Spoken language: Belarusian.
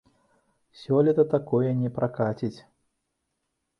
Сёлета такое не пракаціць.